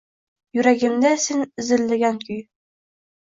Yuragimda esa izillagan kuy